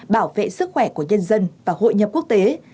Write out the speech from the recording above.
bảo vệ sức khỏe của nhân dân và hội nhập quốc tế